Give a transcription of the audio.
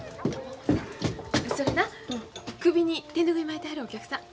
それな首に手拭い巻いてはるお客さん。